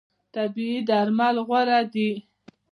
طبیعي درمل غوره دي.